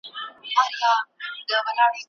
مهارتونه په دقت سره زده کړه.